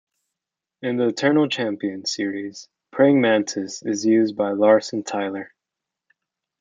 In the Eternal Champions series, Praying Mantis is used by Larcen Tyler.